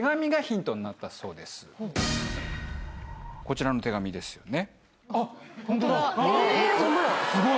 こちらの手紙ですよね。